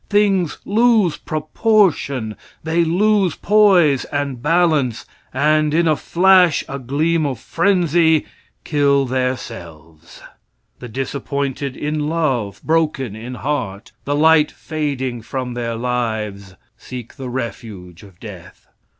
Things lose proportion, they lose poise and balance, and in a flash, a gleam of frenzy, kill their selves. The disappointed in love, broken in heart the light fading from their lives seek the refuge of death.